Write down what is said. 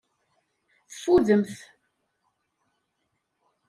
Teffudemt.